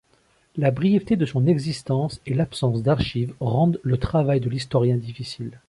La brièveté de son existence et l'absence d'archives rendent le travail de l'historien difficile.